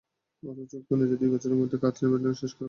অথচ চুক্তি অনুযায়ী দুই বছরের মধ্যে নির্মাণকাজ শেষ করার কথা ছিল।